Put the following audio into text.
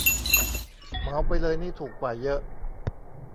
เหมาไปเลยนี่ถูกกว่าเยอะ